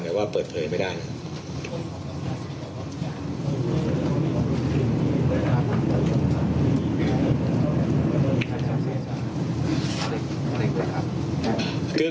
แต่ว่าเปิดเผยไม่ได้นะครับ